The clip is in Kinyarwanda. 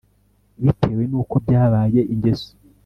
Bitewe nuko byabaye ingeso